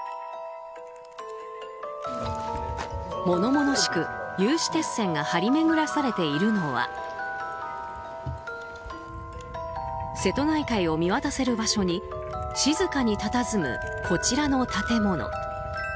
物々しく有刺鉄線が張り巡らされているのは瀬戸内海を見渡せる場所に静かにたたずむ、こちらの建物。